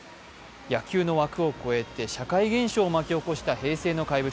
野球の枠を超えて社会現象を巻き起こした平成の怪物。